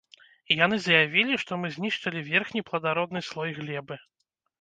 І яны заявілі, што мы знішчылі верхні пладародны слой глебы.